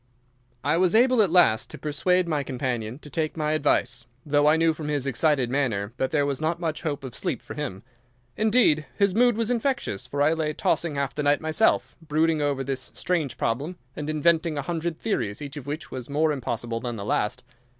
I was able at last to persuade my companion to take my advice, though I knew from his excited manner that there was not much hope of sleep for him. Indeed, his mood was infectious, for I lay tossing half the night myself, brooding over this strange problem, and inventing a hundred theories, each of which was more impossible than the last.